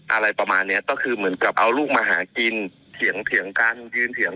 อะไรประมาณเนี้ยก็คือเหมือนกับเอาลูกมาหากินเถียงเถียงกันยืนเถียง